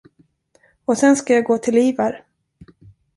Och sen ska jag gå till Ivar.